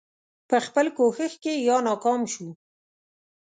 په خپل کوښښ کې یا ناکام شو.